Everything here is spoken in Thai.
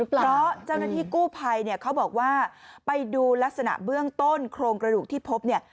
เพราะเจ้าหน้าที่กู้ภัยเนี่ยเขาบอกว่าไปดูลักษณะเบื้องต้นโครงกระดูกที่พบเนี่ย